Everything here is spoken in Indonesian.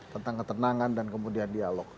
tentang ketenangan dan kemudian dialog